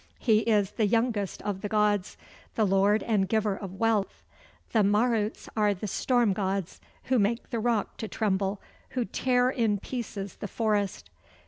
He is "the Youngest of the Gods," "the Lord and Giver of Wealth." The Maruts are the Storm Gods, "who make the rock to tremble, who tear in pieces the forest."